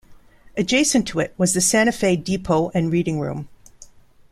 Adjacent to it was the Santa Fe Depot and Reading Room.